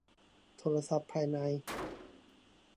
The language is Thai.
โทรศัพท์ภายใน